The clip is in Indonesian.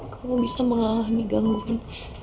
kamu bisa mengalami gangguan